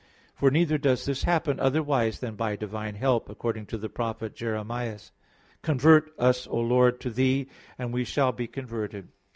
For neither does this happen otherwise than by divine help, according to the prophet Jeremias (Lam. 5:21): "convert us, O Lord, to Thee, and we shall be converted."